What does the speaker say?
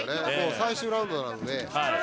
最終ラウンドなので。